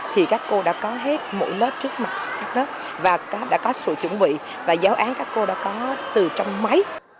thì các cô đã có hết mỗi lớp trước mặt các lớp và đã có sự chuẩn bị và giáo án các cô đã có từ trong máy